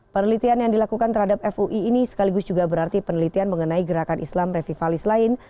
penelitian yang dilakukan terhadap fui ini sekaligus juga berarti penelitian mengenai gerakan islam revivalis lain